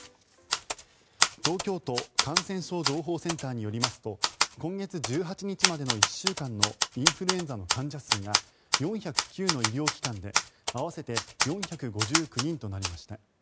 東京都感染症情報センターによりますと今月１８日までの１週間のインフルエンザの患者数が４０９の医療機関で合わせて４５９人となりました。